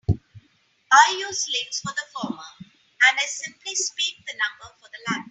I use "links" for the former and I simply speak the number for the latter.